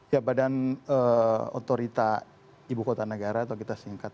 ya badan otorita ibu kota negara atau kita singkat